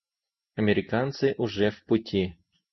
Американцы уже в пути.